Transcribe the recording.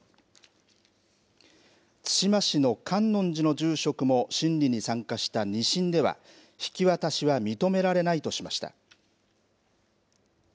対馬市の観音寺の住職も審理に参加した２審では引き渡しは認められないとしました。